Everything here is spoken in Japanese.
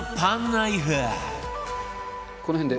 この辺で？